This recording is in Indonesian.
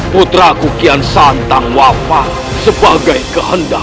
putraku kian sata akan kembali ke sepeda